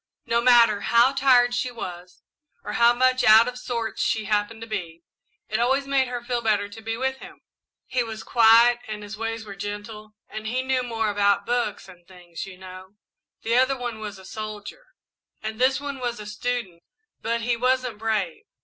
No matter how tired she was, or how much out of sorts she happened to be, it always made her feel better to be with him. He was quiet and his ways were gentle, and he knew more about about books and things, you know. The other one was a soldier, and this one was a student, but he he wasn't brave.